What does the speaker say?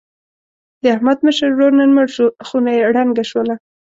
د احمد مشر ورور نن مړ شو. خونه یې ړنګه شوله.